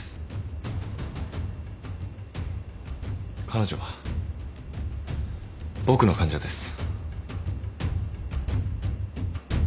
彼女は僕の患者です。